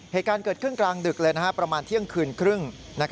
เหตุการณ์เกิดขึ้นกลางดึกเลยประมาณเที่ยงคืนครึ่ง